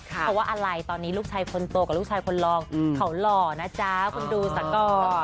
เพราะว่าอะไรตอนนี้ลูกชายคนโตกับลูกชายคนรองเขาหล่อนะจ๊ะคุณดูสักก่อน